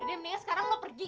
jadi mendingan sekarang lo pergi